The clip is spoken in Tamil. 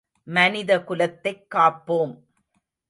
மனித குலத்தைக் காப்போம்.